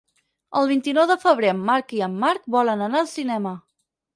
El vint-i-nou de febrer en Marc i en Marc volen anar al cinema.